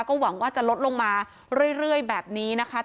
ก็หวังว่าจะลดลงมาเรื่อยแบบนี้นะคะ